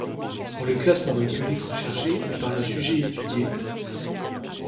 On les classe par le public recherché et par le sujet étudié.